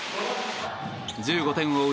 １５点を追う